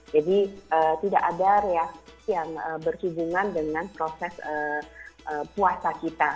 jadi tidak ada reaksi yang berhubungan dengan proses puasa kita